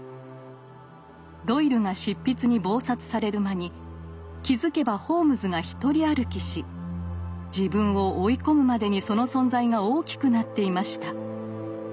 ドイルが執筆に忙殺される間に気付けばホームズが独り歩きし自分を追い込むまでにその存在が大きくなっていました。